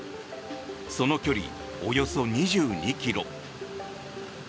その距離、およそ２２ｋｍ。